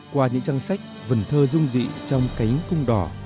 qua những trang sách vần thơ dung dị trong cánh cung đỏ